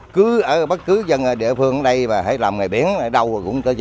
cứ ở bất cứ dân địa phương ở đây mà phải làm người biển ở đâu rồi cũng được